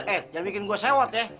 eh jangan bikin gua sewot ya